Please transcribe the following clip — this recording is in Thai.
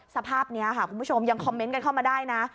สภาพนี้ค่ะคุณผู้ชมยังคอมเมนต์กันเข้ามาได้นะ